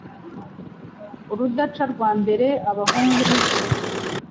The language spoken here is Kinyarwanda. Urucanda rwambare Abahungu b'imfura